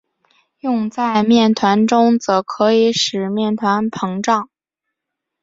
用在面团中则可以使面团膨胀。